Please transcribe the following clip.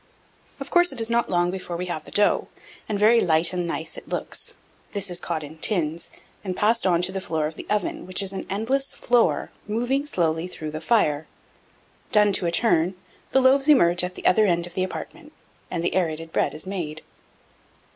1682. Of course, it is not long before we have the dough, and very "light" and nice it looks. This is caught in tins, and passed on to the floor of the oven, which is an endless floor, moving slowly through the fire. Done to a turn, the loaves emerge at the other end of the apartment, and the Aërated Bread is made.